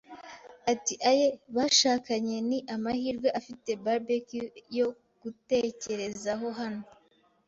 Ati: "Aye, bashakanye, ni amahirwe ufite Barbecue yo kugutekerezaho hano